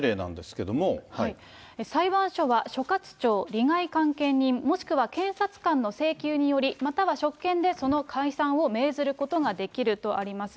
けれ裁判所は、所轄庁、利害関係人、もしくは検察官の請求により、または職権でその解散を命ずることができるとあります。